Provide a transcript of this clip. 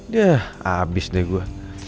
dah abis deh gue